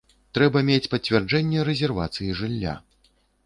Трэба мець пацвярджэнне рэзервацыі жылля.